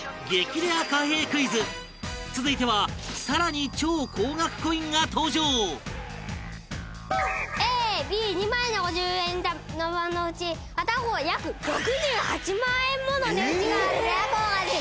レア貨幣クイズ続いては更に超高額コインが登場Ａ、Ｂ、２枚の五十円玉のうち片方は約６８万円もの値打ちがある、レア硬貨です。